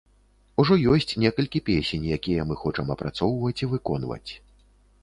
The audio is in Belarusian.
Ужо ёсць некалькі песень, якія мы хочам апрацоўваць і выконваць.